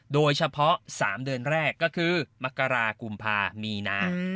โดยเฉพาะ๓เดือนแรกก็คือมกรากุมภามีนา